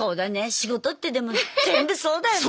仕事ってでも全部そうだよね。